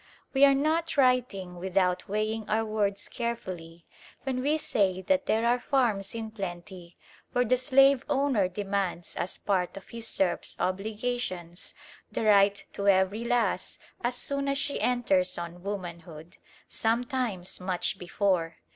We are not writing without weighing our words carefully when we say that there are farms in plenty where the slave owner demands as part of his serfs' obligations the right to every lass as soon as she enters on womanhood, sometimes much before.